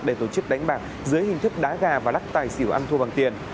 để tổ chức đánh bạc dưới hình thức đá gà và lắc tài xỉu ăn thua bằng tiền